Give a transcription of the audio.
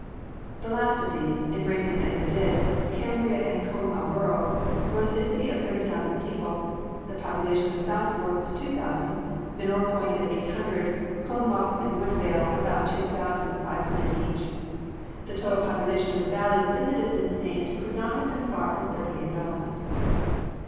The last of these, embracing as it did, Cambria and Conemaugh Borough, was a city of thirty thousand people. The population of South Fork was two thousand, Mineral Point had eight hundred, Conemaugh and Woodvale about two thousand five hundred each. The total population of the valley within the distance named could not have been far from thirty eight thousand.